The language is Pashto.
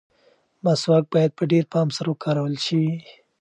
مسواک باید په ډېر پام سره وکارول شي.